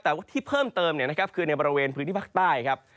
แต่ว่าที่เพิ่มเติมคือในบริเวณพื้นที่ภาคใต้ครับ